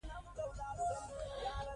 راشد لطيف یو تجربه لرونکی وکټ کیپر وو.